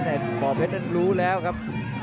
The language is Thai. แต่บ่อเพชรนั้นรู้แล้วครับ